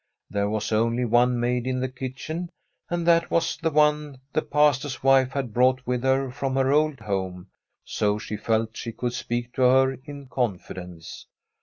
There was only one maid in the kitchen, and that was the one the Pastor's wife had brought with her from her old home, so she felt she could speak to her in confidence.